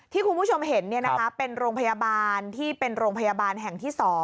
ที่คุณผู้ชมเห็นเป็นโรงพยาบาลที่เป็นโรงพยาบาลแห่งที่๒